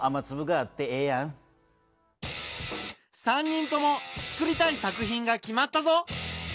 ３人ともつくりたい作品が決まったぞ。